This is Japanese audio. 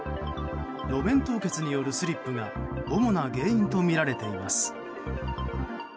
路面凍結によるスリップが主な原因とみられています。